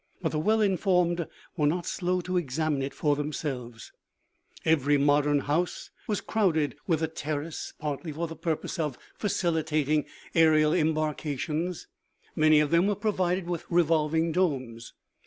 But the well informed were not slow to examine it for themselves. Every modern house was crowded with a terrace, THK STRKET TELESCOPES. 26 OMEGA. partly for the purpose of facilitating aerial embarkations. Many of them were provided with revolving' domes.